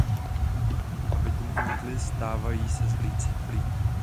Aby tomu unikli, stávají se z nich uprchlíci.